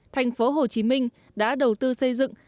thành phố hồ chí minh đã đầu tư xây dựng